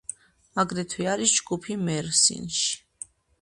აგრეთვე არის ჯგუფი მერსინში.